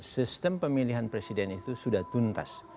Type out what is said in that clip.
sistem pemilihan presiden itu sudah tuntas